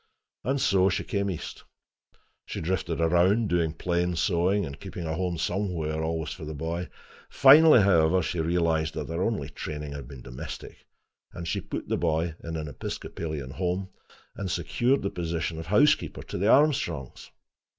And so she came east. She drifted around, doing plain sewing and keeping a home somewhere always for the boy. Finally, however, she realized that her only training had been domestic, and she put the boy in an Episcopalian home, and secured the position of housekeeper to the Armstrongs.